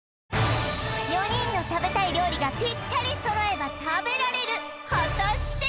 ４人の食べたい料理がぴったり揃えば食べられる果たして？